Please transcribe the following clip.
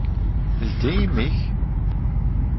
Ldi imi-k!